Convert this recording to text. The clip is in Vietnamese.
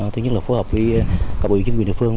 thứ nhất là phối hợp với các ủy chính quyền địa phương